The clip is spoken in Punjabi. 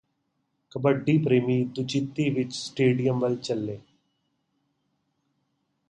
ਕਬੱਡੀ ਪ੍ਰੇਮੀ ਦੁਚਿੱਤੀ ਵਿਚ ਸਟੇਡੀਅਮ ਵੱਲ ਚੱਲੇ